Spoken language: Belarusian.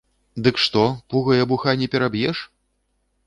Дык што, пугай абуха не пераб'еш?